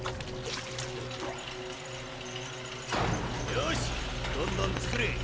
よしどんどんつくれ！